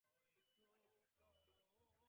আমার সঙ্গে অসরলতা করিবার কোনো দরকার দেখি না।